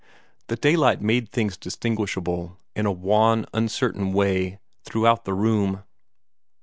The daylight made things distinguishable in a wan, uncertain way, throughout the room.